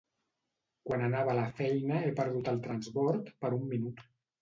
Quan anava a la feina he perdut el transbord per un minut.